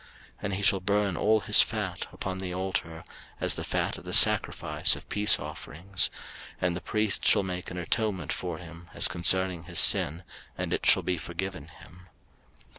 03:004:026 And he shall burn all his fat upon the altar, as the fat of the sacrifice of peace offerings: and the priest shall make an atonement for him as concerning his sin, and it shall be forgiven him.